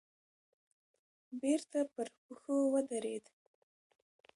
بېرته پر پښو ودرېد.